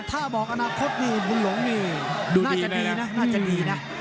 ถ้าบอกอนาคตนี่บุญหลงนี่น่าจะดีนะน่าจะดีนะ